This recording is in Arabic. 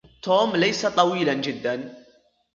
توم ليس طويلاً جداً.